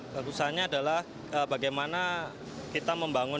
bagusannya adalah bagaimana kita membangun